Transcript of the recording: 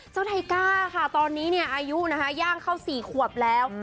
ไทก้าค่ะตอนนี้อายุนะคะย่างเข้า๔ขวบแล้ว